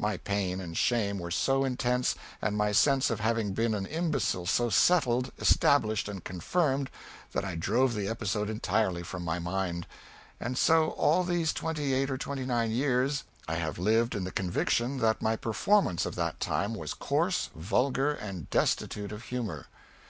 My pain and shame were so intense, and my sense of having been an imbecile so settled, established and confirmed, that I drove the episode entirely from my mind and so all these twenty eight or twenty nine years I have lived in the conviction that my performance of that time was coarse, vulgar and destitute of humor.